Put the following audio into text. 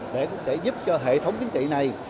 để giúp cho hệ thống chính trị này